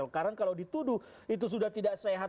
karena kalau dituduh itu sudah tidak sehat